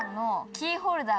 キーホルダー？